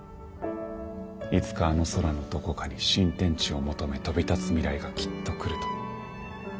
いつかあの宙のどこかに新天地を求め飛び立つ未来がきっと来ると。